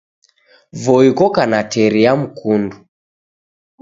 Voi koka na teri ya mkundu.